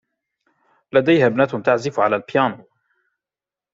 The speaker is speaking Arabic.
لديها ابنة تعزف على البيانو.